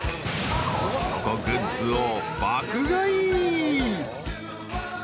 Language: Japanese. ［コストコグッズを爆買い］